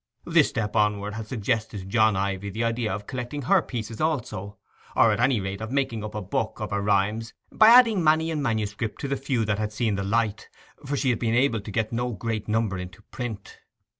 This step onward had suggested to John Ivy the idea of collecting her pieces also, or at any rate of making up a book of her rhymes by adding many in manuscript to the few that had seen the light, for she had been able to get no great number into print.